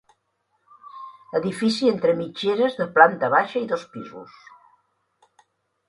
Edifici entre mitgeres, de planta baixa i dos pisos.